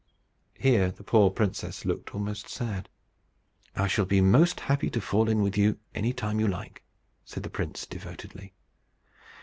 Here the poor princess looked almost sad. "I shall be most happy to fall in with you any time you like," said the prince, devotedly.